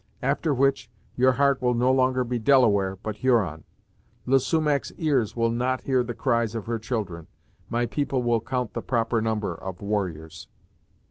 After which, your heart will no longer be Delaware, but Huron; le Sumach's ears will not hear the cries of her children; my people will count the proper number of warriors."